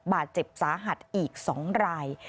บาดเจ็บสาหัสอีก๒ราย